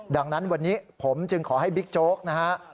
ดังนั้นวันนี้ผมจึงขอให้บิ๊กโจ๊กนะฮะ